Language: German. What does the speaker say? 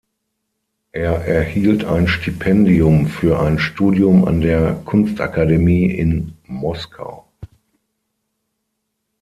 Er erhielt ein Stipendium für ein Studium an der Kunstakademie in Moskau.